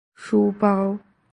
书包